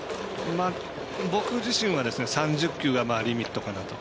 僕自身は３０球がリミットかなと。